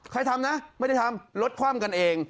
ทำนะไม่ได้ทำรถคว่ำกันเอง